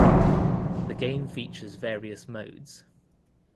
The game features various modes.